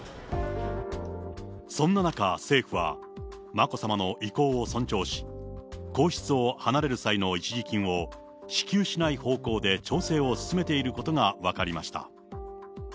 そんな中、政府は眞子さまの意向を尊重し、皇室を離れる際の一時金を支給しない方向で調整を進めていることが分かりました。